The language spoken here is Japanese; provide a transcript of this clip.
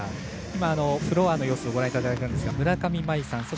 フロアの様子をご覧いただきましたが村上茉愛さん